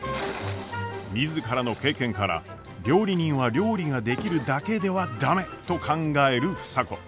自らの経験から料理人は料理ができるだけでは駄目と考える房子。